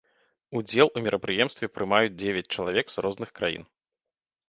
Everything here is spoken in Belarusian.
Удзел у мерапрыемстве прымаюць дзевяць чалавек з розных краін.